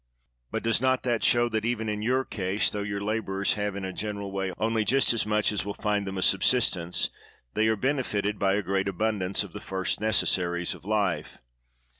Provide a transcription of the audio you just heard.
But does not that show that, even in your case, tho your laborers have in a general way only just as much as will find them a sub sistence, they are benefited by a great abundance of the first necessaries of life